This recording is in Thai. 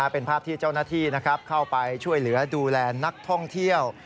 เป็นภาพที่เจ้าหน้าที่เข้าไปช่วยเหลือดูแลนักท่องเที่ยว